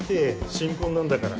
新婚なんだから。